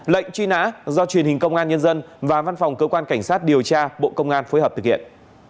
lệnh truy nã do truyền hình công an nhân dân và văn phòng cơ quan cảnh sát điều tra bộ công an phối hợp thực hiện